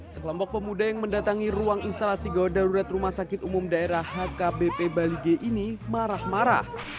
sekelompok pemuda yang mendatangi ruang instalasi gawat darurat rumah sakit umum daerah hkbp balige ini marah marah